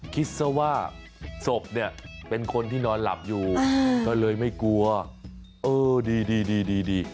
คิดซะว่าศพเนี่ยเป็นคนที่นอนหลับอยู่ก็เลยไม่กลัวเออดีดี